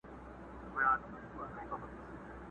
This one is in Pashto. ما به لیده چي زولنې دي ماتولې اشنا!!